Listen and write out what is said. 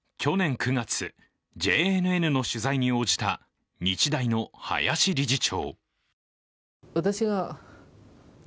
去年９月ＪＮＮの取材に応じた日大の林理事長。